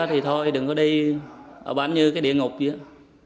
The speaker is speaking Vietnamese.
thì thôi đừng có đi ở bản như cái địa ngục vậy